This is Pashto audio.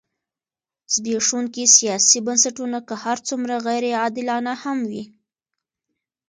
زبېښونکي سیاسي بنسټونه که هر څومره غیر عادلانه هم وي.